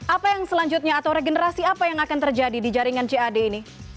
apa yang selanjutnya atau regenerasi apa yang akan terjadi di jaringan cad ini